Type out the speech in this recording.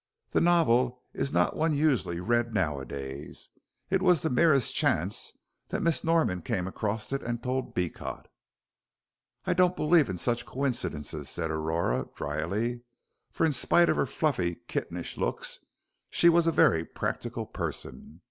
The novel is not one usually read nowadays. It was the merest chance that Miss Norman came across it and told Beecot." "I don't believe in such coincidences," said Aurora, dryly; for in spite of her fluffy, kittenish looks, she was a very practical person.